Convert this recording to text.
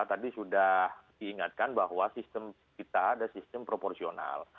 tadi sudah diingatkan bahwa sistem kita ada sistem proporsional